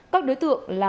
các đối tượng là